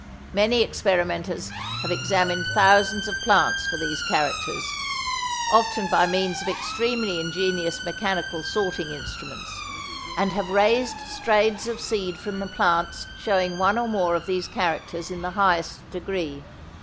Many experimenters have examined thousands of plants for these characters, often by means of extremely ingenious mechanical sorting instruments, and have raised strains of seed from the plants showing one or more of these characters in the highest degree.